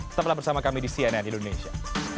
tetaplah bersama kami di cnn indonesia